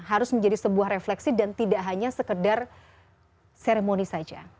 harus menjadi sebuah refleksi dan tidak hanya sekedar seremoni saja